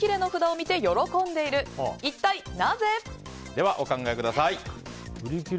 では、お考えください。